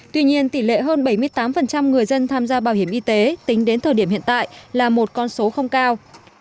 tuy nhiên tỷ lệ hơn bảy mươi tám người dân tham gia bảo hiểm y tế tính đến thời điểm hiện tại là một con số không cao